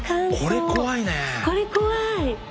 これ怖い！